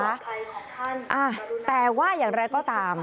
อ่าแต่ว่าอย่างไรก็ตาม